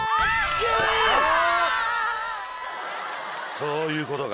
そういうことか。